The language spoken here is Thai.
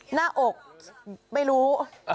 หน้าอกไม่รู้